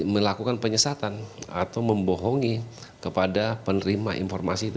melakukan penyesatan atau membohongi kepada penerima informasi itu